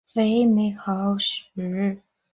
少部份主播会转型成艺人或幕后制作人。